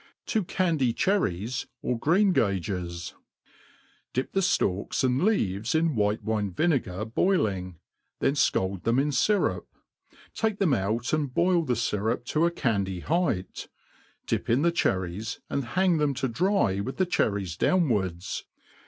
To Candy Cherries 'or Green Gages. DIP tile ftalks and leaves in white wine vint^gar bdiHng, then fcald them in fyrup ; take them out and boil the fympto a candy height ; dip in the cherries, and hang them to dry with the cherries dowiiWard"s.